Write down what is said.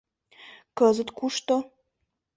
Кызыт кушто?